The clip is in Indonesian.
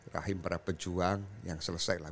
rahim para pejuang yang selesai lah